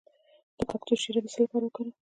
د کاکتوس شیره د څه لپاره وکاروم؟